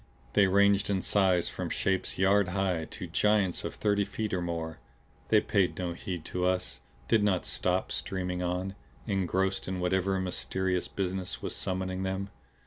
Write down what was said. They ranged in size from shapes yard high to giants of thirty feet or more. They paid no heed to us, did not stop; streaming on, engrossed in whatever mysterious business was summoning them.